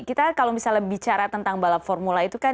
kita kalau misalnya bicara tentang balap formula itu kan